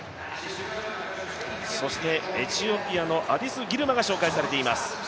エチオピアのアディス・ギルマが紹介されています。